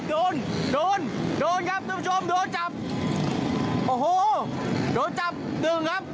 โดนโดนโดนโดนครับทุกผู้ชมโดนจับโอ้โหโดนจับหนึ่งครับ